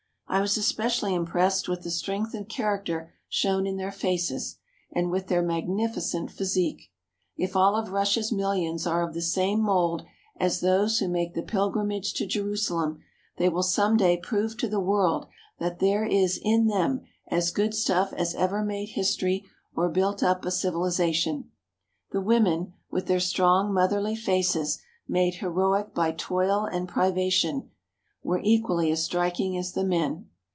I was especially impressed with the strength of character shown in their faces and with their magnificent physique. If all of Russia's millions are of the same mould as those who make the pilgrimage to Jerusalem, they will some day prove to the world that there is in them as good stuff as ever made history or built up a civilization. The women, with their strong, motherly faces made heroic by toil and privation, were equally as striking as the men.